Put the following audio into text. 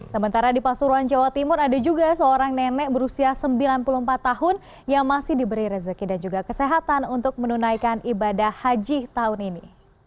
sementara di pasuruan jawa timur ada juga seorang nenek berusia sembilan puluh empat tahun yang masih diberi rezeki dan juga kesehatan untuk menunaikan ibadah haji tahun ini